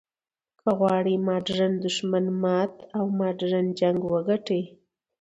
که غواړې ماډرن دښمن مات او ماډرن جنګ وګټې.